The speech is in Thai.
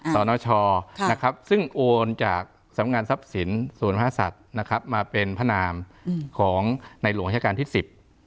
สลชซึ่งโอนจากสำงานทรัพย์ศิลป์สวนภาษัทมาเป็นพนามของในหลวงอาชการที่๑๐